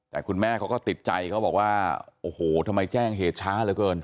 แต่คุณแม่เขาก็ติดใจเขาบอกว่าโอ้โหทำไมแจ้งเหตุช้าเหลือเกิน